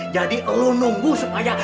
jadi lo nunggu supaya